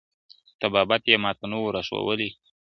طبابت یې ماته نه وو را ښودلی !.